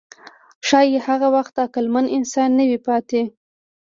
ښایي هغه وخت عقلمن انسان نه وي پاتې.